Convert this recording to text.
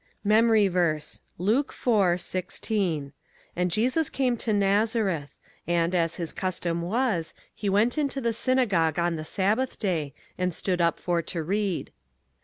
MEMORY VERSE, Luke 4: 16 "And Jesus came to Nazareth ... and, as his custom was, he went into the synagogue on the Sabbath day, and stood up for to read."